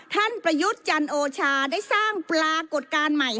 ประยุทธ์จันโอชาได้สร้างปรากฏการณ์ใหม่